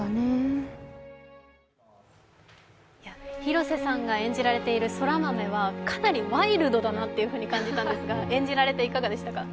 広瀬さんが演じられている空豆はかなりワイルドだなと感じたんですが、演じられて、いかがでしたか？